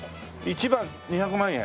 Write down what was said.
１番２００万円？